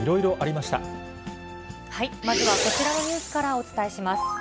まずはこちらのニュースからお伝えします。